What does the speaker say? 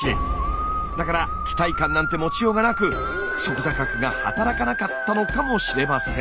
だから期待感なんて持ちようがなく側坐核が働かなかったのかもしれません。